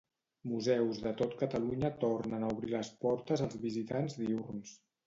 Museus de tot Catalunya tornen a obrir les portes als visitants diürns.